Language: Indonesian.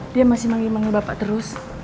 dia masih manggil manggil bapak terus